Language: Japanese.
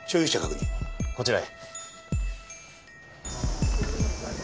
こちらへ。